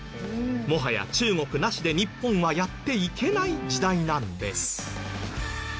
もはや中国なしで日本はやっていけない時代なんです。